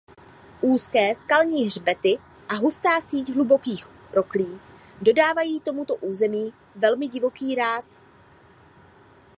Úzké skalní hřbety a hustá síť hlubokých roklí dodávají tomuto území velmi divoký ráz.